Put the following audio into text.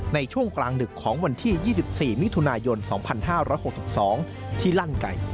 ในช่วงกลางดึกของวันที่๒๔มิถุนายน๒๕๖๒ที่ลั่นไก่